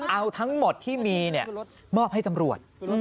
เอาทั้งหมดที่มีมอบให้ตำรวจ